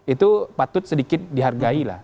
itu patut sedikit dihargai lah